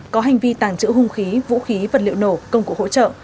có hành vi tàng trữ hung khí vũ khí vật liệu nổ công cụ hỗ trợ